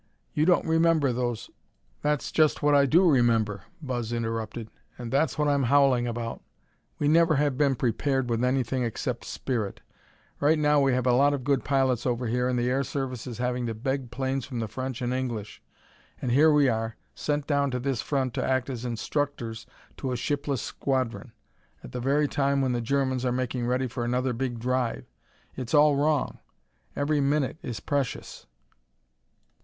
You don't remember those " "That's just what I do remember," Buzz interrupted, "and that's what I'm howling about. We never have been prepared with anything except spirit. Right now we have a lot of good pilots over here and the air service is having to beg planes from the French and English. And here we are, sent down to this front to act as instructors to a shipless squadron, at the very time when the Germans are making ready for another big drive. It's all wrong. Every minute is precious."